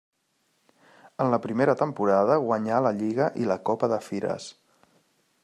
En la primera temporada guanyà la lliga i la Copa de Fires.